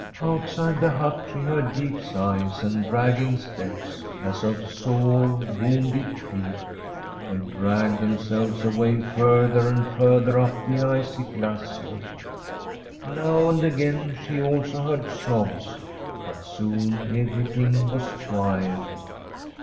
Outside the hut she heard deep sighs and drag ging steps, as of sore, wounded feet. They dragged themselves away further and further up the icy glacier. Now and again she also heard sobs ; but soon everything was quiet.